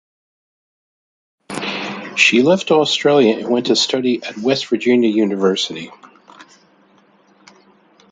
She left Australia an went to study at West Virginia University.